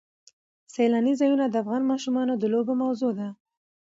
سیلاني ځایونه د افغان ماشومانو د لوبو موضوع ده.